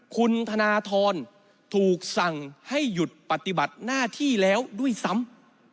คุณธนทรถูกสั่งให้หยุดปฏิบัติหน้าที่แล้วด้วยซ้ำ